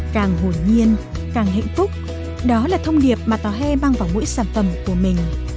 càng hồn nhiên càng hạnh phúc đó là thông điệp mà tòa he mang vào mỗi sản phẩm của mình